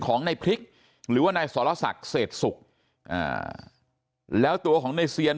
ของในพริกหรือว่าในสรสักเศษศุกร์แล้วตัวของในเสียน